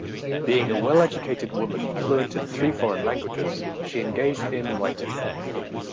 Being a well-educated woman fluent in three foreign languages, she engaged in writing.